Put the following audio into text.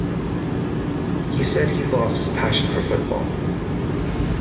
He said he lost his passion for football.